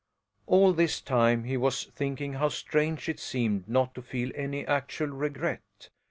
All this time he was thinking how strange it seemed not to feel any actual regret.